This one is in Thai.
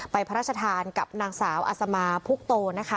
ไปพระราชทานกับนางสาวอัสม้าพุกโต